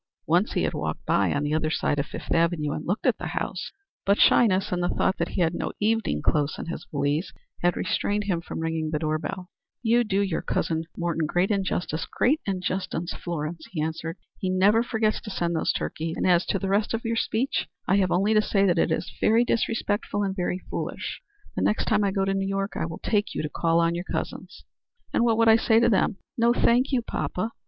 Once he had walked by on the other side of Fifth avenue and looked at the house, but shyness and the thought that he had no evening clothes in his valise had restrained him from ringing the doorbell. "You do your cousin Morton great injustice great injustice, Florence," he answered. "He never forgets to send the turkeys, and as to the rest of your speech, I have only to say that it is very disrespectful and very foolish. The next time I go to New York I will take you to call on your cousins." "And what would I say to them? No thank you, poppa."